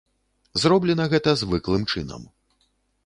Зроблена гэта звыклым чынам.